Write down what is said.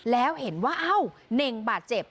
แล้วเห็นว่าเอ้าเน่งบาดเจ็บ